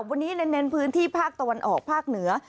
วันนี้เน้นพื้นที่ภาคตะวันออกภาคเหนือ